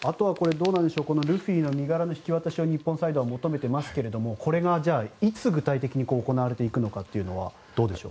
ルフィの身柄の引き渡しを日本サイドは求めていますがこれがいつ具体的に行われていくのかどうでしょう？